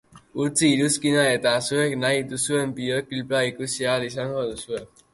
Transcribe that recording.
Utzi iruzkina eta zuek nahi duzuen bidoeklipa ikusi ahal izango duzue.